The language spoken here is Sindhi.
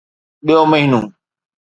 ٻيو مهينو